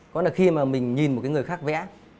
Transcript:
có lẽ khi mà mình nhìn một người khác vẽ